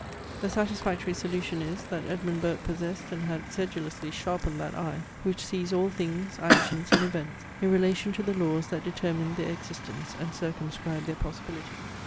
The satisfactory solution is, that Edmund Burke possessed and had sedulously sharpened that eye, which sees all things, actions, and events, in relation to the laws that determine their existence and circumscribe their possibility.